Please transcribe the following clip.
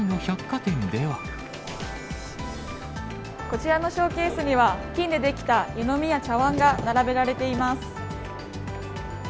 こちらのショーケースには、金で出来た湯飲みや茶わんが並べられています。